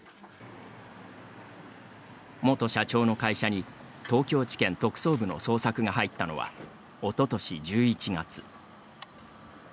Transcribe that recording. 元社長の会社に東京地検特捜部の捜索が入ったのはおととし１１月。